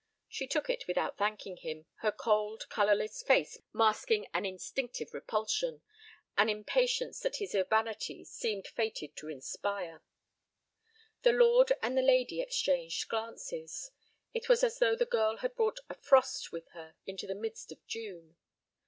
She took it without thanking him, her cold, colorless face masking an instinctive repulsion, an impatience that his urbanity seemed fated to inspire. The lord and the lady exchanged glances. It was as though the girl had brought a frost with her into the midst of June.